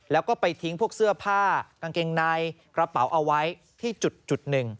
แล้วก็ไปทิ้งพวกเสื้อผ้ากางเกงในกระเป๋าเอาไว้ที่จุดหนึ่ง